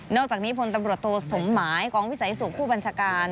อกจากนี้พลตำรวจโทสมหมายกองวิสัยสุขผู้บัญชาการ